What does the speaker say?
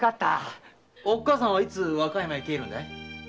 おっかさんはいつ和歌山へ帰るんだい？